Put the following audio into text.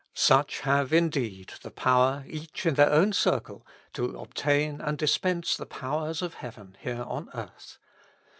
Such have indeed the power, each in their own circle, to obtain and dispense the powers of heaven here on earth.